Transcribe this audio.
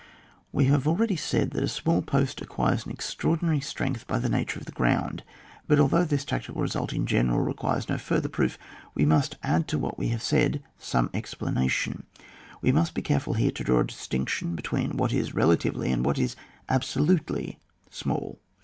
We have already said that a small post acquires an extraordinary strength by the nature of the ground ; but although this tactical result in general requires no further proof, we must add to what we have said some explanation. We must be careful here to draw a distinction be tween what is relatively and what is absolutely small.